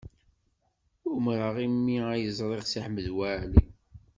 Umreɣ imi ay ẓriɣ Si Ḥmed Waɛli.